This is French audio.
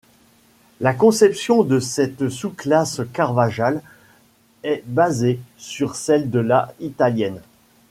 La conception de cette sous-classe Carvajal est basée sur celle de la italienne.